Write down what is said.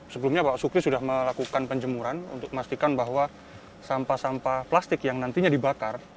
sebelumnya pak sukri sudah melakukan penjemuran untuk memastikan bahwa sampah sampah plastik yang nantinya dibakar